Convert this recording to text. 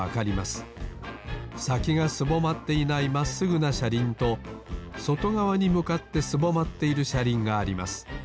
さきがすぼまっていないまっすぐなしゃりんとそとがわにむかってすぼまっているしゃりんがあります。